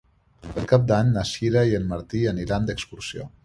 Per Cap d'Any na Sira i en Martí aniran d'excursió.